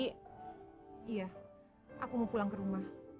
iya aku mau pulang ke rumah